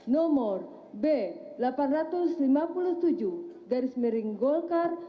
nomor b delapan ratus lima puluh tujuh garis miring golkar